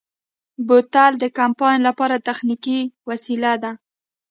بوتل د کمپاین لپاره تخنیکي وسیله ده.